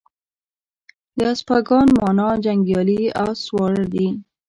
د اسپاگان مانا جنگيالي اس سواره دي